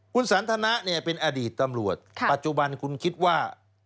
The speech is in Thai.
คุณสันทนะเนี่ยเป็นอดีตตำรวจปัจจุบันคุณคิดว่า